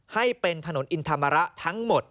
ให้เป็นถนนอินธรรมระทั้งหมด